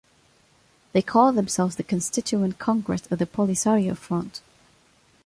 They called themselves the Constituent Congress of the Polisario Front.